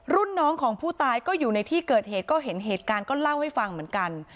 รุ่นน้องของผู้ตายก็อยู่ในที่เกิดเหตุก็เห็นเหตุการณ์ก็เล่าให้ฟังเหมือนกัน